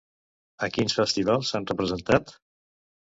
A quins festivals s'han representat?